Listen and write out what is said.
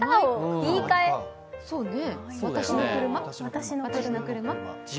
私の車？